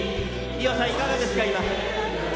伊代さん、いかがですか、今。